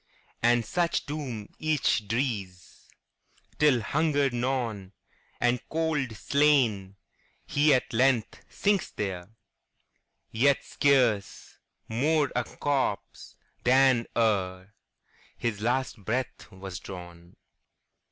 And such doom each drees, Till, hunger gnawn, And cold slain, he at length sinks there, Yet scarce more a corpse than ereHis last breath was drawn.